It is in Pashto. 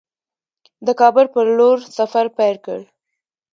د کابل پر لور سفر پیل کړ.